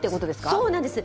そうなんです。